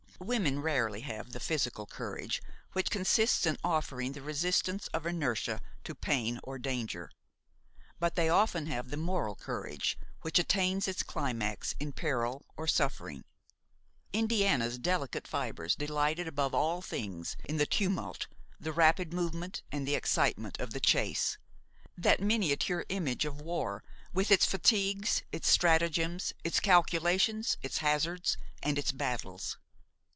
Women rarely have the physical courage which consists in offering the resistance of inertia to pain or danger; but they often have the moral courage which attains its climax in peril or suffering. Indiana's delicate fibres delighted above all things in the tumult, the rapid movement and the excitement of the chase, that miniature image of war with its fatigues, its stratagems, its calculations, its hazards and its battles.